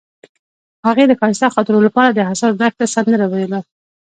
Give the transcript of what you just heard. هغې د ښایسته خاطرو لپاره د حساس دښته سندره ویله.